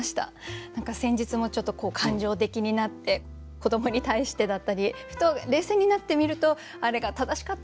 先日もちょっと感情的になって子どもに対してだったりふと冷静になってみるとあれが正しかったのかな？